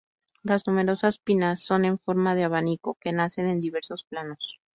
Las numerosas pinnas son en forma de abanico, que nacen en diversos planos.